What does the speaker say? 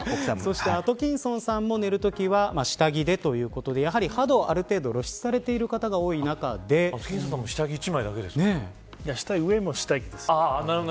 アトキンソンさんも寝るときは下着でということでやはり肌をある程度露出されている方が多い中でアトキンソンさん上も下着です。